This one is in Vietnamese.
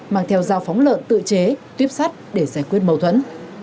mang theo dao phóng lợn tự chế tuyếp sắt để giải quyết mâu thuẫn